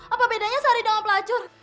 apa bedanya sari dong pelacur